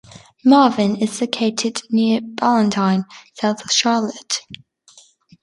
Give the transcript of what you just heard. Marvin is located near Ballantyne, South Charlotte.